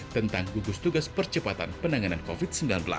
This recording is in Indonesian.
tentang gugus tugas percepatan penanganan covid sembilan belas